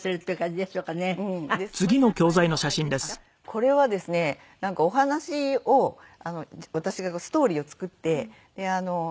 これはですねなんかお話を私がストーリーを作って切り取るんですね。